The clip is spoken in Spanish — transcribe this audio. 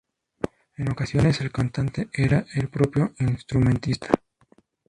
En ocasiones, el cantante era el propio instrumentista.